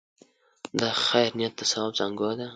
د خیر نیت د ثواب زانګو ده.